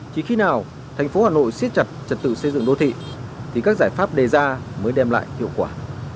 chỉ khi nào thành phố hà nội siết chặt trật tự xây dựng đô thị thì các giải pháp đề ra mới đem lại hiệu quả